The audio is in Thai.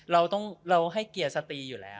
เราให้เกียรติสตรีอยู่แล้ว